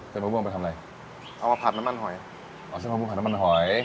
เส้นผักบุ้งเป็นทำอะไรเอามาผัดน้ำมันหอยอ๋อเส้นผักบุ้งผัดน้ำมันหอย